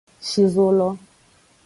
Shi zo lo.